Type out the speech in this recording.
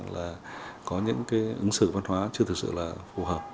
là có những cái ứng xử văn hóa chưa thực sự là phù hợp